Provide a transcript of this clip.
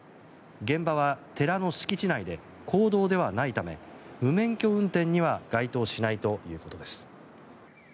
現場は寺の敷地内で公道ではないため無免許運転には該当しないということです。